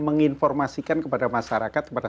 menginformasikan kepada masyarakat kepada